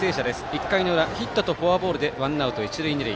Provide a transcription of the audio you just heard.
１回の裏ヒットとフォアボールでワンアウト、一塁二塁。